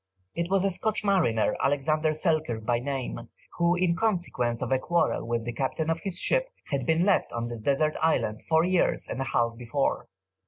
It was a Scotch mariner, Alexander Selkirk by name, who in consequence of a quarrel with the captain of his ship, had been left on this desert island four years and a half before.